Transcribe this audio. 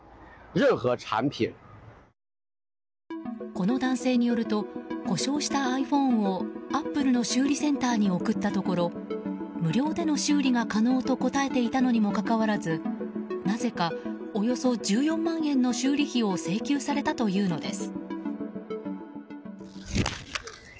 この男性によると故障したｉＰｈｏｎｅをアップルの修理センターに送ったところ無料での修理が可能と答えていたのにもかかわらずなぜか、およそ１４万円の修理費を請求されたというのです。